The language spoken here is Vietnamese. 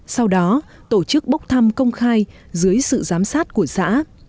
sau đó tổ chức bốc thăm công khai dưới sự giám sát của xã